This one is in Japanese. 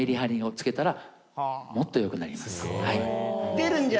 出るんじゃ。